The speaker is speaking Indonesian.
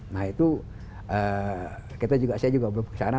nah itu saya juga belum kesana